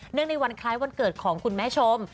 ในวันคล้ายวันเกิดของคุณแม่ชม